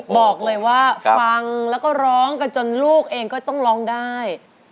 บอกเลยว่าฟังแล้วก็ร้องกันจนลูกเองก็ต้องร้องได้